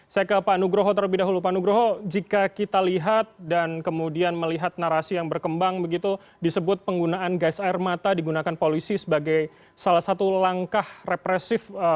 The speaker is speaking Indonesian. selamat malam selamat malam mas